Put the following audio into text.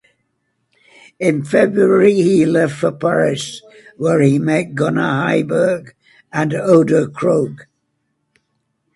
In February he left for Paris where he met Gunnar Heiberg and Oda Krohg.